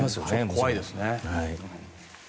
怖いですね。